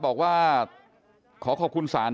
บอกว่าขอขอบคุณศาล